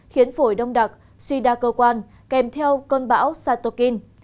khiến phổi đông đặc suy đa cơ quan kèm theo cơn bão satokin